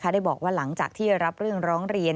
ได้บอกว่าหลังจากที่รับเรื่องร้องเรียน